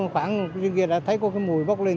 khoảng trên kia đã thấy có cái mùi bốc lên